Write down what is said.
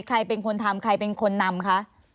ใครเป็นคนทำใครเป็นคนนำคะ